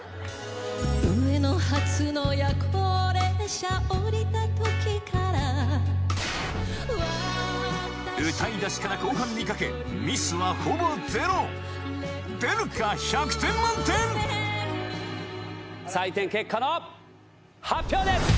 上野発の夜行列車おりた時から歌い出しから後半にかけミスはほぼ０出るか１００点満点！採点結果の発表です！